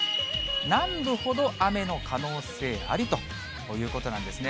南部ほど雨の可能性ありということなんですね。